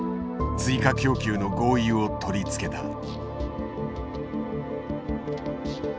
追加供給の合意を取り付けた。